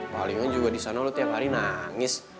palingan juga di sana lo tiap hari nangis